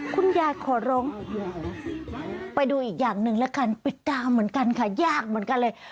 คุณยายขอร้องไปดูอีกอย่างหนึ่งแล้วกันปิดตาเหมือนกันค่ะยากเหมือนกันเลย